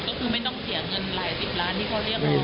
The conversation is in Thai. ก็คือไม่ต้องเสียเงินหลายสิบล้านที่เขาเรียกร้อง